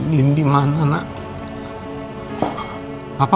tidak ada apa apa